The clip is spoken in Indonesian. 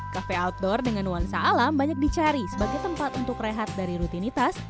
kafe outdoor dengan nuansa alam banyak dicari sebagai tempat untuk rehat dari rutinitas